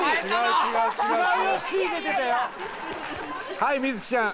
はい充希ちゃん